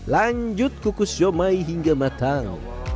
lanjut kukus zomay hingga matang